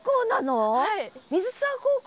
はい。